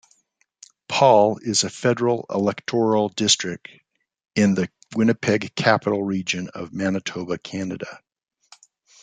Paul is a federal electoral district in the Winnipeg Capital Region of Manitoba, Canada.